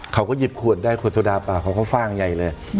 เขาก็หยิบขวดได้ขวดโซดาเปล่าเขาก็ฟ่างใหญ่เลย